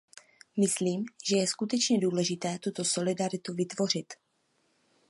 Myslím, že je skutečně důležité tuto solidaritu vytvořit.